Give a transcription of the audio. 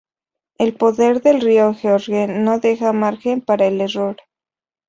El poder del río George no deja margen para el error.